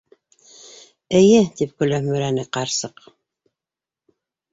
Эйе, - тип көлөмһөрәне ҡарсыҡ.